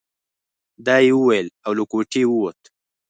دا يې وويل او له کوټې ووت.